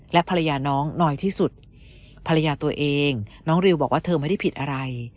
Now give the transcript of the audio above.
และภรรยาน้องน้อยที่สุดภรรยาตัวเองน้องริวบอกว่าเธอไม่ได้ผิดอะไร